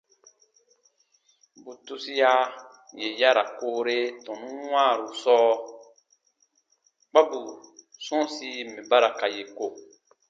Bù tusia yè ya ra koore tɔnun wãaru sɔɔ kpa bù sɔ̃ɔsi mɛ̀ ba ra ka yè ko.